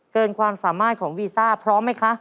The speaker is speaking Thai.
ความสามารถของวีซ่าพร้อมไหมคะ